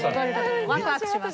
ワクワクします。